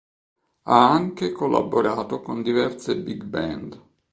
Ha anche collaborato con diverse big band.